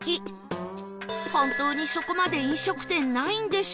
本当にそこまで飲食店ないんでしょうか？